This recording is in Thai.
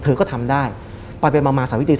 และไม่เคยเข้าไปในห้องมิชชาเลยแม้แต่ครั้งเดียว